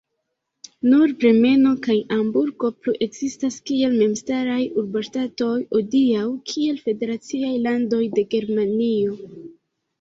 Nur Bremeno kaj Hamburgo plu-ekzistas kiel memstaraj urboŝtatoj, hodiaŭ kiel federaciaj landoj de Germanio.